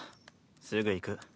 すぐ行く。